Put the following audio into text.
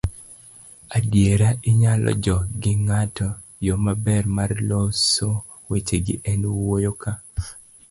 adiera, inyalo jok gi ng'ato. yo maber mar loso wechegi en wuoyo ka